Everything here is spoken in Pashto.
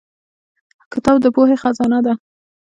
کتاب د پوهې خزانه ده